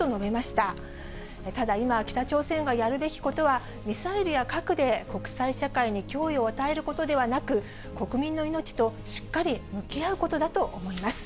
ただ、今、北朝鮮がやるべきことは、ミサイルや核で国際社会に脅威を与えることではなく、国民の命としっかり向き合うことだと思います。